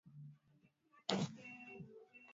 kwa hivyo mimi nafikiri kama waafrika tunapaswa kujifunza